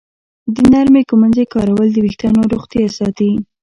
د نرمې ږمنځې کارول د ویښتانو روغتیا ساتي.